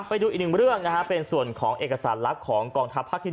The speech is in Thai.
ไปดูอีกหนึ่งเรื่องนะฮะเป็นส่วนของเอกสารลักษณ์ของกองทัพภาคที่๑